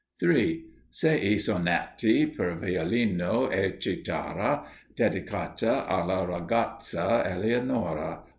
"Sei Sonati per Violino e Chitarra, dedicati alla Ragazza Eleonora."